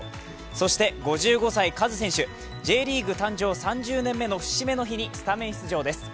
そして５５歳カズ選手、Ｊリーグ誕生３０年目の節目の日にスタメン出場です。